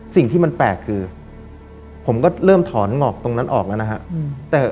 สิ่งที่มันแปลกคือผมก็เริ่มถอนหงอกตรงนั้นออกแล้วนะฮะ